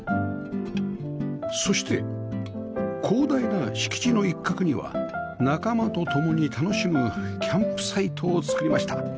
そして広大な敷地の一角には仲間と共に楽しむキャンプサイトを造りました